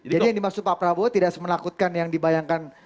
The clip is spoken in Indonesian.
jadi yang dimaksud pak prabowo tidak semenakutkan yang dibayangkan